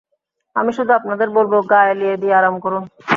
আমি শুধু আপনাদের বলবো, গা এলিয়ে দিয়ে আরাম করুন।